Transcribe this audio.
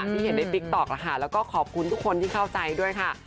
ที่เห็นในติ๊กต๊อกแล้วก็ขอบคุณทุกคนที่เข้าใจด้วยค่ะ